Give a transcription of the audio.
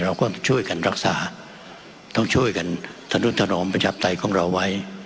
เราก็ช่วยกันรักษาต้องช่วยกันทะนุถนอมประชาปไตยของเราไว้